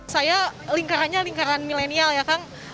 saya lingkarannya lingkaran milenial ya kang